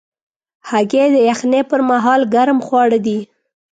هګۍ د یخنۍ پر مهال ګرم خواړه دي.